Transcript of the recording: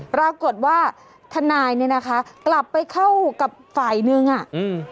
ปรากฏว่าทนายเนี่ยนะคะกลับไปเข้ากับฝ่ายนึงอ่ะอืม